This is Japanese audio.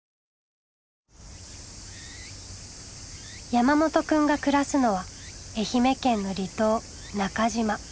山本くんが暮らすのは愛媛県の離島中島。